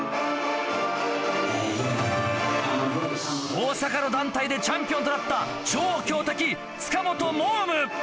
大阪の団体でチャンピオンとなった超強敵塚本望夢。